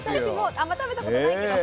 あんま食べたことないけど。